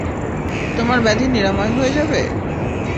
তোমার ব্যাধির নিরাময় হয়ে যাবে!